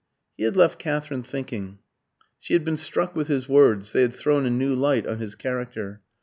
He had left Katherine thinking. She had been struck with his words; they had thrown a new light on his character.